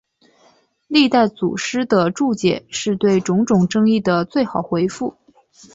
历代祖师的注解是对种种争议的最好回复。